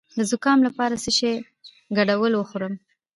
د زکام لپاره د څه شي ګډول وخورم؟